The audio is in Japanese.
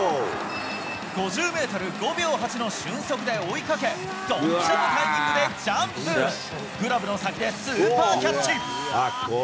５０メートル５秒８の俊足で追いかけ、ドンピシャのタイミングで、グラブの先でスーパーキャッチ。